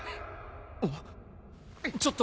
あっ。